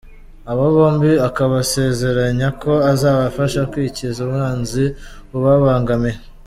Abo bombi akabasezeranya ko azabafasha kwikiza umwanzi ubabangamiye.